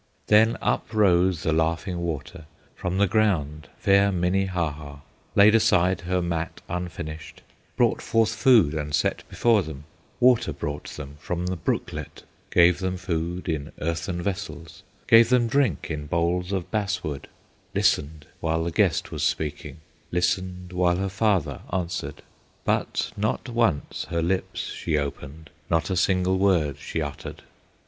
Then uprose the Laughing Water, From the ground fair Minnehaha, Laid aside her mat unfinished, Brought forth food and set before them, Water brought them from the brooklet, Gave them food in earthen vessels, Gave them drink in bowls of bass wood, Listened while the guest was speaking, Listened while her father answered, But not once her lips she opened, Not a single word she uttered.